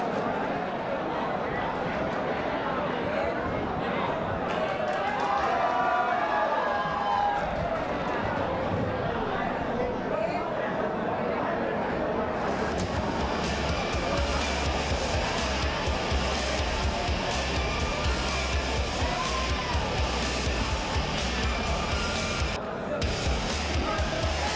ปีนแล้วกับแรงนี้ครับ